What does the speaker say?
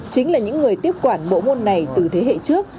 chính là những người tiếp quản bộ môn này từ thế hệ trước